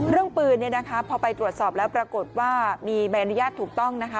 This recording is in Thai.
เรื่องปืนเนี่ยนะคะพอไปตรวจสอบแล้วปรากฏว่ามีใบอนุญาตถูกต้องนะคะ